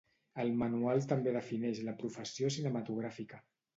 El manual també defineix la professió cinematogràfica.